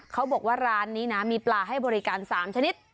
เขาบอกว่าร้านนี้นะมีปลาให้บริการ๓ชนิด